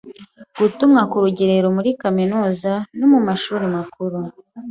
Gutumwa ku rugerero muri Kaminuza, no mu MashuriMakuru.